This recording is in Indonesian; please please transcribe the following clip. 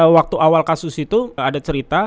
waktu awal kasus itu ada cerita